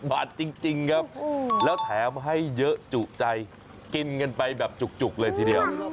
บาทจริงครับแล้วแถมให้เยอะจุใจกินกันไปแบบจุกเลยทีเดียว